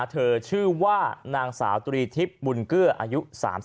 เธอชื่อว่านางสาวตุรีทิศบุญเกลืออายุ๓๔